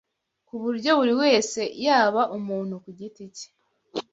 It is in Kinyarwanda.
ku buryo buri wese yaba umuntu ku giti cye